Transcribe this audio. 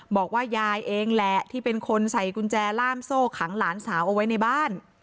บอกว่ายายเองแหละที่เป็นคนใส่กุญแจล่ามโซ่ขังหลานสาวเอาไว้ในบ้าน